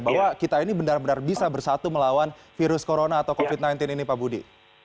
bahwa kita ini benar benar bisa bersatu melawan virus corona atau covid sembilan belas ini pak budi